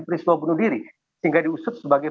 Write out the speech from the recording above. peristiwa bunuh diri sehingga diusut sebagai